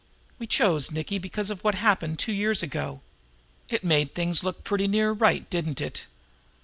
We chose Nicky because of what happened two years ago. It made things look pretty near right, didn't it?